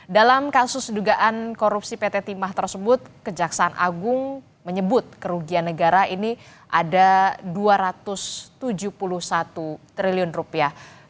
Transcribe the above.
dalam kasus dugaan korupsi pt timah tersebut kejaksaan agung menyebut kerugian negara ini ada dua ratus tujuh puluh satu triliun rupiah